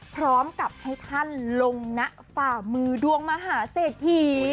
พร้อมกับให้ท่านลงนะฝ่ามือดวงมหาเศรษฐี